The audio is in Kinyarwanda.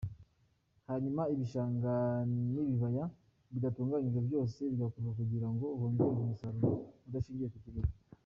Hanyuma ibishanga n’ibibaya bidatunganijwe byose bigakorwa kugira ngo hongerwe umusaruro udashingiye ku kirere.